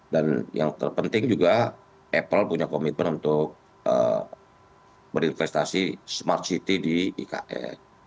dan yang terpenting juga apple punya komitmen untuk berinvestasi smart city di ikf